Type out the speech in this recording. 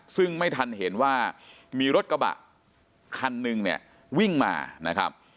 ซึ่งไม่ทันเห็นว่ามีรถกระบะคันหนึ่งเนี่ยวิ่งมานะครับ